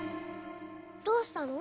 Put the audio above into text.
どうしたの？